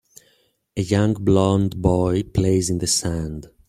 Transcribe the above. A young blond boy plays in the sand.